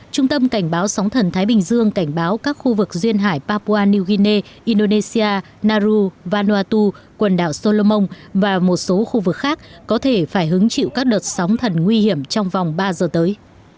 trung tâm cảnh báo sóng thần thái bình dương cảnh báo các khu vực duyên hải papua new guinea indonesiau vanwatu quần đảo solomon và một số khu vực khác có thể phải hứng chịu các đợt sóng thần nguy hiểm trong vòng ba giờ tới